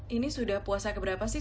ini sudah puasa keberapa sih